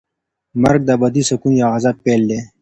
مرګ د ابدي سکون یا عذاب پیل دی.